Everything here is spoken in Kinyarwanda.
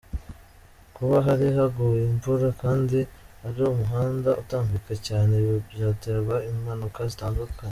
Kuba hari haguye imvura kandi ari umuhanda utambika cyane byateraga impanuka zidakanganye.